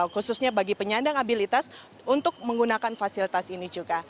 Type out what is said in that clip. khususnya bagi penyandang untuk menggunakan fasilitas ini juga